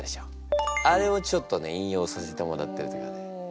あれをちょっとね引用させてもらったりとかね。